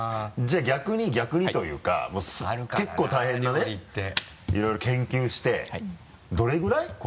じゃあ逆に逆にというか結構大変なねいろいろ研究してどれぐらい？